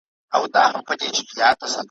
د اول مشروطيت له بنديانو څخه وو